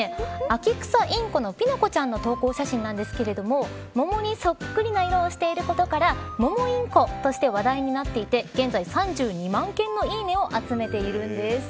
アキクサインコのピノコちゃんの投稿写真なんですが桃にそっくりな色をしていることから桃インコとして話題になっていて現在３２万件のいいねを集めているんです。